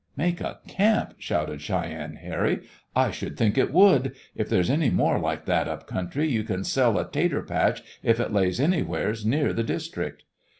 "Make a camp!" shouted Cheyenne Harry. "I should think it would! If there's any more like that up country you can sell a 'tater patch if it lays anywheres near the district!"